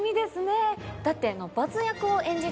だって。